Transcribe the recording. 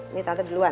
ini tante duluan